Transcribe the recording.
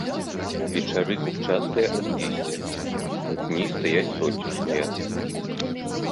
Вечары купчастыя ад лісця, а дні стаяць сонечныя.